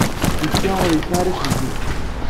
Netta ur yesɛi ara aselkim.